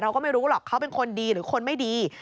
เราก็ไม่รู้หรอกเขาเป็นคนดีหรือคนไม่ดี